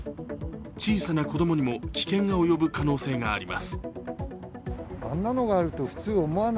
小さな子供にも危険が及ぶ可能性があります。